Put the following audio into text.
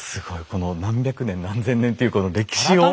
この何百年何千年っていうこの歴史を。